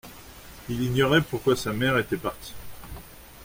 Il ignorait pourquoi sa mère était partie.